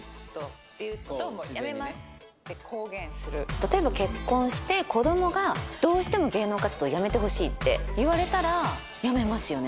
例えば結婚して子どもがどうしても芸能活動辞めてほしいって言われたら辞めますよね